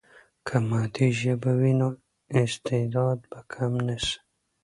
که مادي ژبه وي، نو استعداد به کم نه سي.